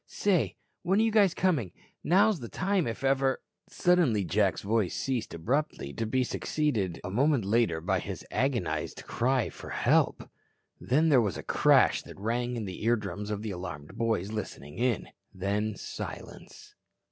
Say, when are you coming? Now's the time if ever " Suddenly, Jack's voice ceased abruptly, to be succeeded a moment later by his agonized cry for "Help." Then there was a crash that rang in the eardrums of the alarmed boys listening in. Then, silence.